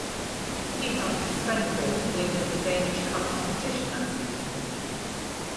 He helped Svendborg win the Danish Cup competition that season.